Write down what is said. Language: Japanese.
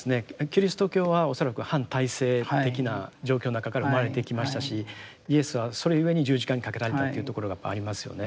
キリスト教は恐らく反体制的な状況の中から生まれてきましたしイエスはそれゆえに十字架にかけられたというところがやっぱりありますよね。